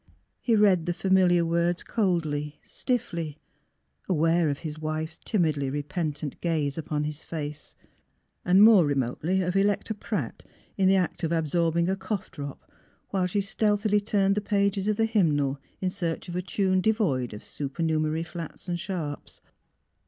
He read the familiar words coldly, stiffly, aware of his wife's timidly repentant gaze upon his face, and more remotely of Electa Pratt in the act of absorbing a cough drop, while she stealthily turned the pages of the hymnal, in " A SPOT WHEEE SPIRITS BLEND " 41 search of a tune devoid of supernumerary flats and sharps.